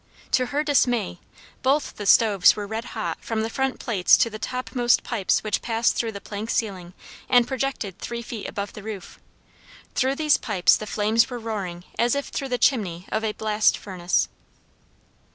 To her dismay, both the stoves were red hot from the front plates to the topmost pipes which passed through the plank ceiling and projected three feet above the roof. Through these pipes the flames were roaring as if through the chimney of a blast furnace.